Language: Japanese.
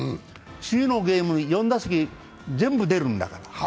次のゲームに４打席、全部出るんだから。